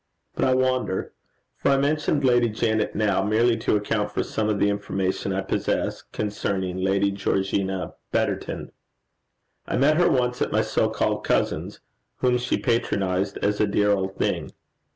But I wander; for I mentioned Lady Janet now, merely to account for some of the information I possess concerning Lady Georgina Betterton. I met her once at my so called cousin's, whom she patronized as a dear old thing.